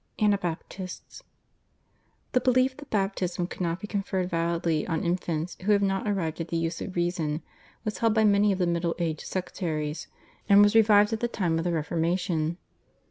/Anabaptists/. The belief that baptism could not be conferred validly on infants who have not arrived at the use of reason was held by many of the Middle Age sectaries, and was revived at the time of the Reformation.